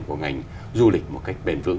của ngành du lịch một cách bền vững